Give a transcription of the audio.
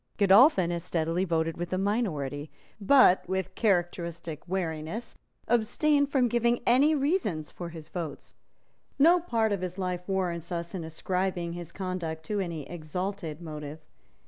Godolphin as steadily voted with the minority, but, with characteristic wariness, abstained from giving any reasons for his votes. No part of his life warrants us in ascribing his conduct to any exalted motive.